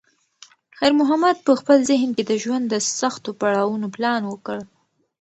خیر محمد په خپل ذهن کې د ژوند د سختو پړاوونو پلان وکړ.